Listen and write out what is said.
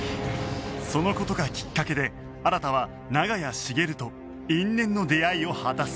その事がきっかけで新は長屋茂と因縁の出会いを果たす